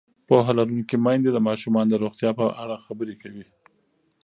پوهه لرونکې میندې د ماشومانو د روغتیا په اړه خبرې کوي.